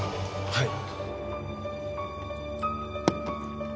はい。